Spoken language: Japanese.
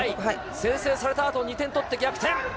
先制されたあと２点取って逆転。